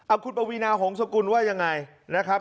อับคุณประวินาหงษกุลว่ายังไงนะครับ